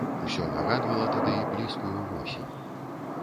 Усё нагадвала тады блізкую восень.